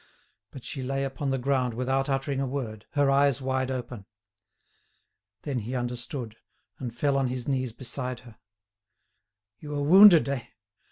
But she lay upon the ground without uttering a word, her eyes wide open. Then he understood, and fell on his knees beside her. "You are wounded, eh?